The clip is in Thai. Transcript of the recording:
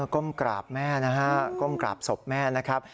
ก้มกราบแม่นะฮะก้มกราบศพแม่นะครับ